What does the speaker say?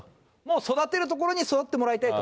育てる所に育ってもらいたいと。